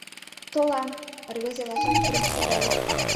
— Толам! — рвезе лачак пурен шогале.